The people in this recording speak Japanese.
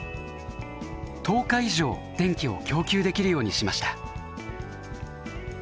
１０日以上電気を供給できるようにしました。